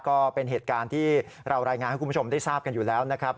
ก็เป็นเหตุการณ์ที่เรารายงานให้คุณผู้ชมได้ทราบกันอยู่แล้วนะครับ